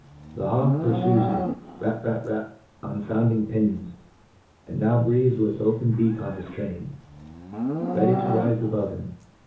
The hawk purfues him — ^rap, rap, rap— on founding pinions j and now breathes with. open beak on his train, ready to rife above him.